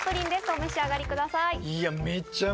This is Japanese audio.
お召し上がりください。